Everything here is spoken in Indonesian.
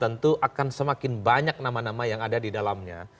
tentu akan semakin banyak nama nama yang ada di dalamnya